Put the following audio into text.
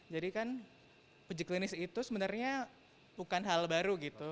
jadi kan uji klinis itu sebenarnya bukan hal baru gitu